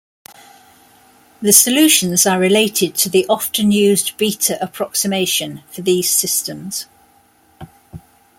The solutions are related to the often used Bethe approximation for these systems.